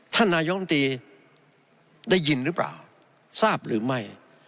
ท่านนายองตีได้ยินหรือเปล่าทราบหรือไม่